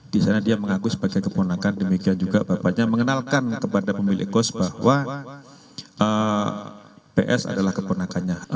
di sana dia mengaku sebagai keponakan demikian juga bapaknya mengenalkan kepada pemilik kos bahwa ps adalah keponakannya